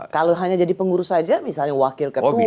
kalau hanya jadi pengurus saja misalnya wakil ketua